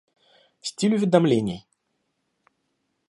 Стиль уведомлений